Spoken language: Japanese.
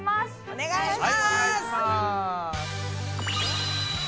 お願いします。